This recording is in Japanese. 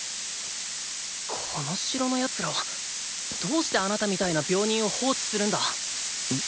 この城の奴らはどうしてあなたみたいな病人を放置するんだ⁉っ。